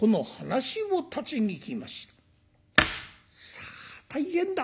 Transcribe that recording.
「さあ大変だ。